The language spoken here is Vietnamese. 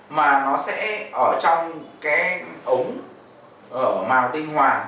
mà nó sẽ ở trong cái ống màu tinh hoàng